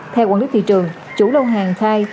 theo quản lý thị trường chủ lâu hàng thai